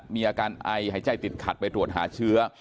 มีอาการไอหายใจติดขัดไปตรวจหาเชื้อ